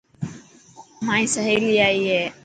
مائي سهيلي آئي هي.